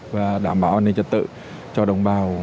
và đảm bảo an ninh trật tự cho đồng bào